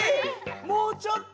もうちょっと！